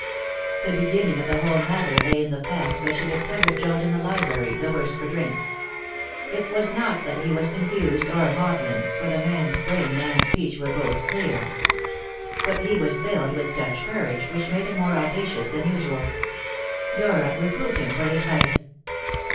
The beginning of the whole matter lay in the fact that she discovered Joad in the library the worse for drink. It was not that he was confused or maudlin, for the man's brain and speech were both clear. But he was filled with Dutch courage, which made him more audacious than usual. Dora reproved him for his vice.